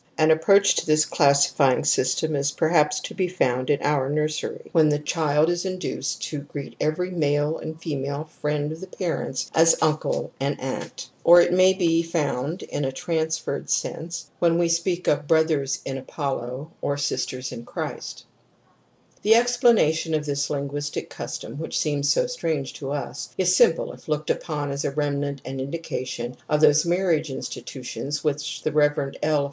An sCpproroir'^lhis classuying system is perhaps to be f oimd in our nursery, when the child is induced to greet every male and female friend of the parents as ' uncle * and ' aunt ', or it may be found in a transferred sense when we speak of ' Brothers in Apollo ', or ' Sisters in Christ \ The explanation of this linguistic custom, which seems so strange to us, is simple if looked upon as a remnant and indication of those mar riage institutions which the Rev. L.